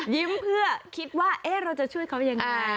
ยิ้มเพื่อคิดว่าเราจะช่วยเขาอย่างไร